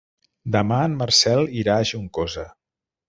Demà en Marcel irà a Juncosa.